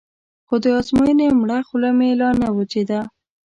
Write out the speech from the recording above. خو د ازموینې مړه خوله مې لا نه وچېده.